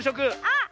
あっ！